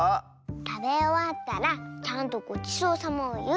たべおわったらちゃんとごちそうさまをいう。